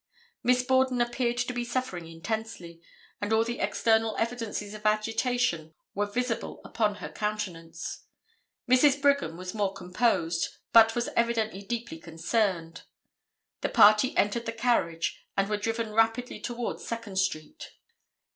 Miss Borden appeared to be suffering intensely, and all the external evidences of agitation were visible upon her countenance. Mrs. Brigham was more composed, but was evidently deeply concerned. The party entered the carriage and were driven rapidly towards Second street.